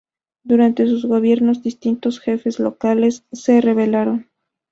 Durante sus gobiernos distintos jefes locales se rebelaron.